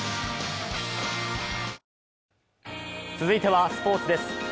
続いてはスポーツです。